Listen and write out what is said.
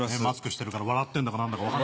マスクしてるから笑ってんだか何だか。